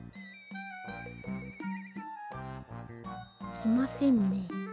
きませんね。